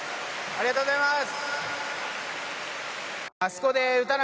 ありがとうございます！